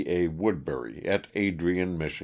A. Wood bury, at Adrian, Mich.